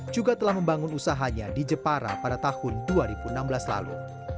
juga telah membangun usahanya di jepara pada tahun dua ribu enam belas lalu